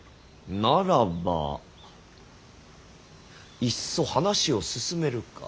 ならばいっそ話を進めるか。